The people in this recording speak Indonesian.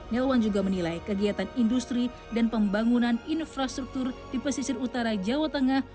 nelwan juga menilai kegiatan industri dan pembangunan infrastruktur di pesisir utara jawa tengah